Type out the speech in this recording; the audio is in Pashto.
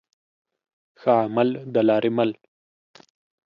ښه عمل د لاري مل.